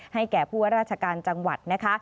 ให้แก่ภูวิราชกาลจังหวัด